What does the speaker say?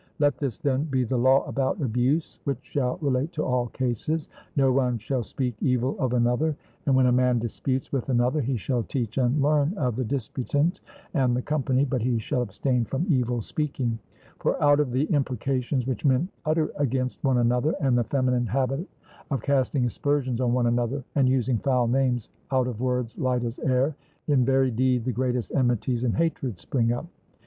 Let this, then, be the law about abuse, which shall relate to all cases: No one shall speak evil of another; and when a man disputes with another he shall teach and learn of the disputant and the company, but he shall abstain from evil speaking; for out of the imprecations which men utter against one another, and the feminine habit of casting aspersions on one another, and using foul names, out of words light as air, in very deed the greatest enmities and hatreds spring up.